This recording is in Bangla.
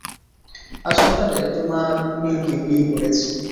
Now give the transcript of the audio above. আজ সকালে তোমার মেয়েকে বিয়ে করেছি।